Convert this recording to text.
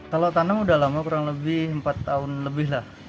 kalau tanam sudah lama kurang lebih empat tahun lebih lah